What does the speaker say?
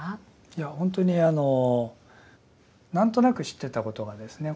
いやほんとにあのなんとなく知ってたことがですね